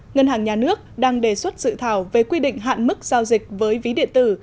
ngân hàng nhà nước đang đề xuất dự thảo về quy định hạn mức giao dịch với ví điện tử